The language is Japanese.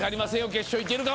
決勝行けるかも。